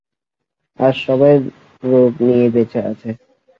আজ সবাই রোগ নিয়ে বেঁচে আছে।